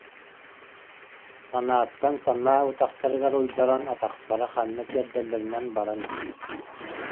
Санааттан санаа утахтарыгар уйдаран атахтара ханна тиэрдэллэринэн баран иһэр